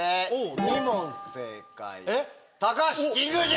２問正解橋神宮寺！